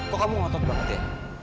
kok kamu ngotot banget ya